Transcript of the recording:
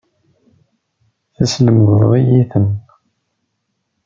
Teslemdeḍ-iyi-ten.